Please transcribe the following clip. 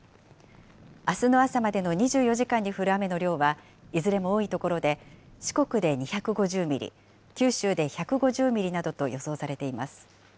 あすの朝までの２４時間に降る雨の量は、いずれも多い所で、四国で２５０ミリ、九州で１５０ミリなどと予想されています。